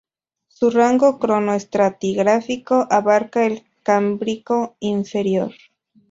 Su rango cronoestratigráfico abarca el Cámbrico inferior.